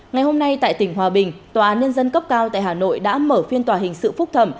ngày hôm nay tại tỉnh hòa bình tòa án nhân dân cấp cao tại hà nội đã mở phiên tòa hình sự phúc thẩm